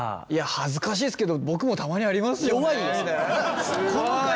恥ずかしいですけど僕もたまにありますよねみたいな。